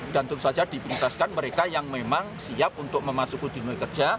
dan tentu saja diperintahkan mereka yang memang siap untuk memasuki dunia kerja